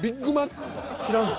知らんの？